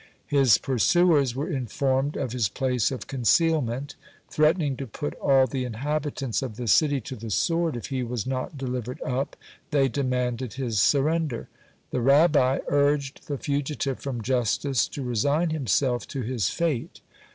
His pursuers were informed of his place of concealment. Threatening to put all the inhabitants of the city to the sword if he was not delivered up, they demanded his surrender. The Rabbi urged the fugitive from justice to resign himself to his fate.